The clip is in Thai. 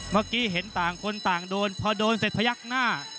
เมื่อกี้เห็นต่างคนต่างโดนพอโดนเสร็จพยักหน้า